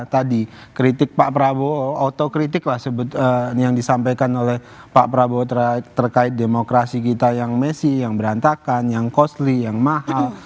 tadi kritik pak prabowo otokritik lah yang disampaikan oleh pak prabowo terkait demokrasi kita yang messi yang berantakan yang costly yang mahal